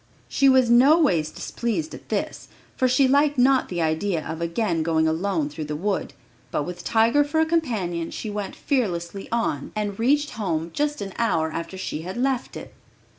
She was noways displeased at this, for she liked not the idea of again going alone through the wood, but with Tiger for a companion she went fearlessly on and reached home just an hour after she had left it.